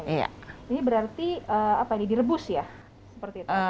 ini berarti direbus ya